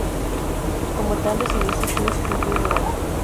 Como tal, recibía instrucciones y cumplía un horario.